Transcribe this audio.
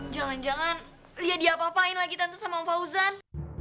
jangan jangan lia diapain lagi tante sama om fauzan